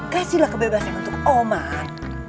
kasihlah kebebasan untuk oman